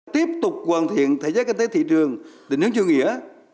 tiếp tục hoàn thiện thời gian kinh tế thị trường tình hướng chương nghĩa